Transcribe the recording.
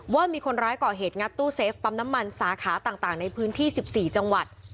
ว่ามีคนร้ายก่อเหตุงัดตู้เซฟปั๊มน้ำมันสาขาต่างในพื้นที่๑๔จังหวัด